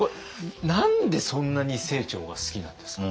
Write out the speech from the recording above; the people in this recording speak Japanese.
何でそんなに清張が好きなんですか？